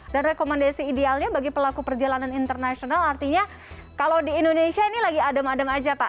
dan rekomendasi idealnya bagi pelaku perjalanan internasional artinya kalau di indonesia ini lagi adem adem saja pak